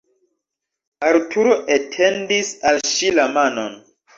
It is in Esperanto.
Arturo etendis al ŝi la manon.